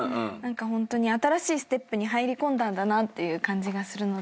ホントに新しいステップに入り込んだんだなっていう感じがするので。